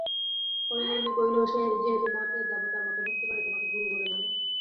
হরিমোহিনী কহিলেন, সে যে তোমাকে দেবতার মতো ভক্তি করে–তোমাকে গুরু বলে মানে।